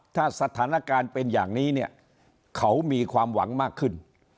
ถ้าสถานการณ์เป็นอย่างนี้เนี่ยเขามีความหวังมากขึ้น